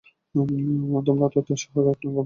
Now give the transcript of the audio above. তোমরা তা অত্যন্ত গুরুত্ব সহকারে পালন করবে।